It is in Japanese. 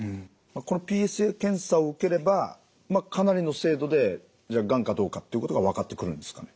このＰＳＡ検査を受ければかなりの精度でがんかどうかっていうことが分かってくるんですか？